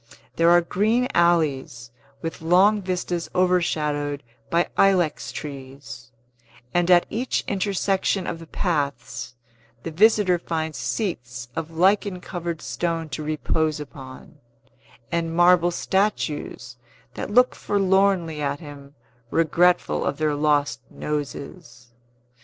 There are green alleys, with long vistas overshadowed by ilex trees; and at each intersection of the paths, the visitor finds seats of lichen covered stone to repose upon, and marble statues that look forlornly at him, regretful of their lost noses.